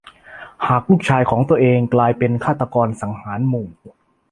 หากลูกชายของตัวเองกลายเป็นฆาตกรสังหารหมู่